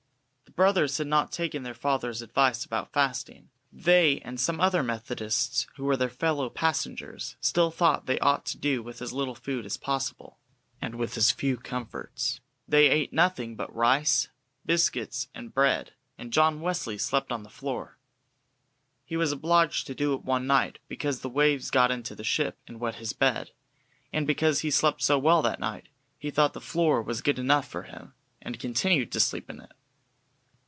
The brothers had not taken their father's advice about fasting; they and some other Methodists who were their fellow passengers still thought they ought to do with as little food as possible, and with as few comforts. They ate nothing but rice, biscuits, and bread, and John Wesley slept on the floor. He was obliged to do it one night, because the waves got into the ship and wet his bed, and because he slept so well that night, he thought the floor was good enough for him, and continued to sleep on it.